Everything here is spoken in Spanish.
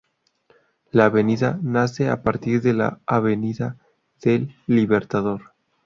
La avenida nace a partir de la Avenida del Libertador.